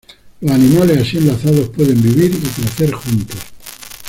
Los animales así enlazados pueden vivir y crecer juntos.